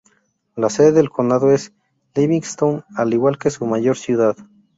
La sede del condado es Livingston, al igual que su mayor ciudad.